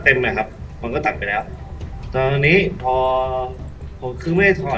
สวัสดีครับวันนี้เราจะกลับมาเมื่อไหร่